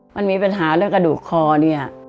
มันมีปัญหาเรื่องกระดูกคอเนี่ย